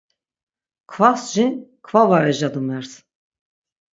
Kvas jin kva var ejadumers.